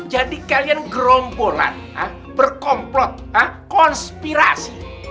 jadi kalian gerombolan berkomplot konspirasi